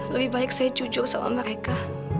lebih baik saya cucu sama mereka